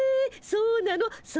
そうなの？